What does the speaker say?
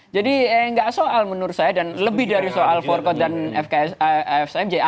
jadi tidak soal menurut saya dan lebih dari soal forkot dan fksimj